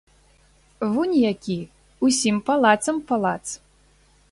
Вунь які, усім палацам палац!